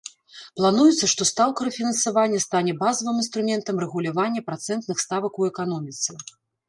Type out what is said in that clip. Плануецца, што стаўка рэфінансавання стане базавым інструментам рэгулявання працэнтных ставак у эканоміцы.